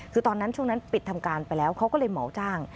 คือตอนนั้นช่วงนั้นปิดทำการไปแล้วเขาก็เลยเหมาจ้าง